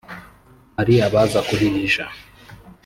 hari abaza kuhihisha